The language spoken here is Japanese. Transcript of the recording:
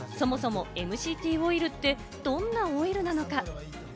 そもそもＭＣＴオイルって、どんなオイルなのか？